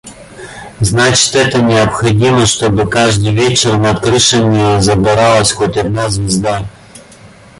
Значит – это необходимо, чтобы каждый вечер над крышами загоралась хоть одна звезда?!